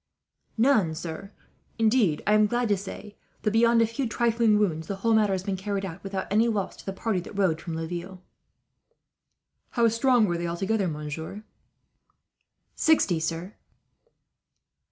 "None, sir. Indeed I am glad to say that, beyond a few trifling wounds, the whole matter has been carried out without any loss to the party that rode from Laville." "How strong were they altogether, monsieur?" "Sixty, sir."